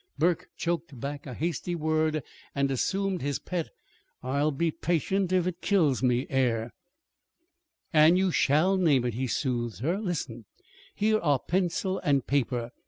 Burke choked back a hasty word and assumed his pet "I'll be patient if it kills me" air. "And you shall name it," he soothed her. "Listen! Here are pencil and paper.